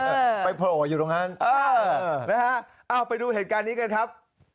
เออไปโผล่อยู่ตรงนั้นเออนะฮะเอาไปดูเหตุการณ์นี้กันครับ